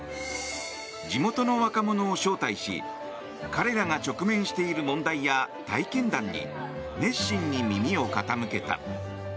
地元の若者を招待し彼らが直面している問題や体験談に熱心に耳を傾けた。